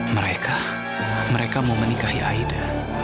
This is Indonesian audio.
mereka mereka mau menikahi aida